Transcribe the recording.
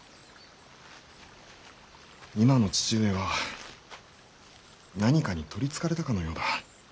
今の父上は何かに取りつかれたかのようだ。